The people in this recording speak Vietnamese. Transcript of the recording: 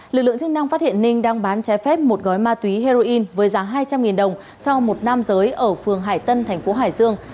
lực lượng chức năng phát hiện ninh đang bán trái phép một gói ma túy heroin với giá hai trăm linh đồng cho một nam giới ở phường hải tân thành phố hải dương